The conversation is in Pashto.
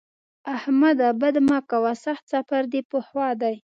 احمده! بد مه کوه؛ سخت سفر دې په خوا دی.